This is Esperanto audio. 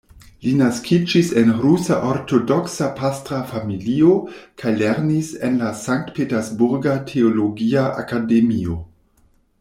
Li naskiĝis en rusa ortodoksa pastra familio kaj lernis en la Sankt-peterburga teologia akademio.